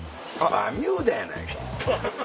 バミューダやないか。